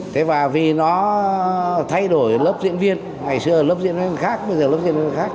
thế và vì nó thay đổi lớp diễn viên ngày xưa lớp diễn viên khác bây giờ lớp diễn viên khác